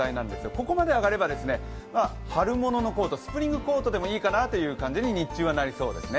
ここまで上がれば春物のコート、スプリングコートでもいいかなという感じに日中はなりそうなんですね。